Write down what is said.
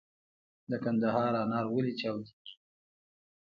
د کندهار انار ولې چاودیږي؟